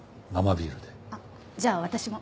あっじゃあ私も。